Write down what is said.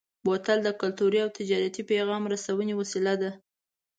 بوتل د کلتوري او تجارتي پیغام رسونې وسیله ده.